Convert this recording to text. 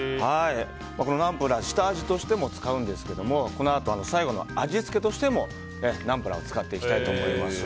このナンプラー下味としても使うんですけどもこのあと最後の味付けとしてもナンプラーを使っていきたいと思います。